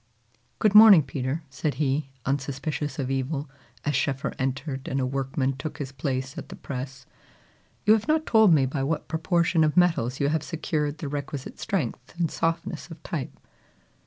"Good morning, Peter," said he, unsuspicious of evil, as Schoeffer entered, and a workman took his place at the press. "You have not told me by what proportion of metals you have secured the requisite strength and softness of type."